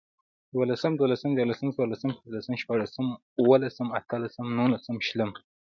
ېولسم، دولسم، ديارلسم، څوارلسم، پنځلسم، شپاړسم، اوولسم، اتلسم، نولسم، شلم